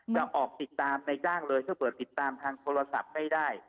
จะออกติดตามในจ้างเลยถ้าเปิดติดตามทางโทรศัพท์ให้ได้